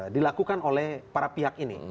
dilakukan oleh para pihak ini